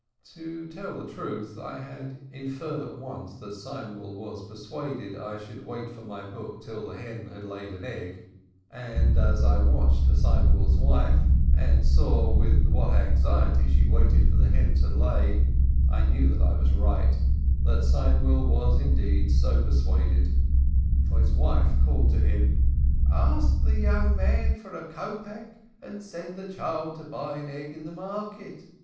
To tell the truth, I had inferred at once that Seinwill was persuaded I should wait for my book till the hen had laid an egg, and as I watched Seinwill's wife, and saw with what anxiety she waited for the hen to lay, I knew that I was right, that Seinwill was indeed BO persuaded, for his, wife called to him: "Ask the young man for a kopek and send the child to buy an egg in the market.